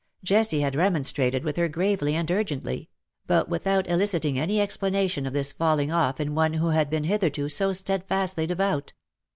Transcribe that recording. Jessie had remonstrated with her gravely and urgently — but without eliciting any explanation of this falling off in one who had been hitherto so steadfastly devout.